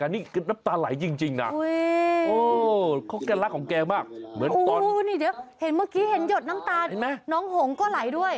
น้องหงก็ไหลด้วย